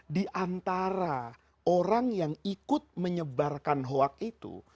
di antara orang yang ikut menyebarkan hoak itu